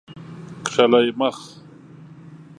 کښلی مخ